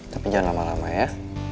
tapi jangan lama lama ya